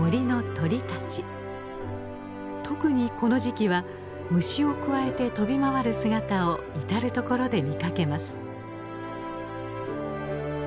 特にこの時期は虫をくわえて飛び回る姿を至る所で見かけます。